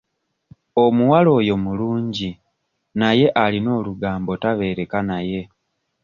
Omuwala oyo mulungi naye nga alina olugambo tabeereka naye.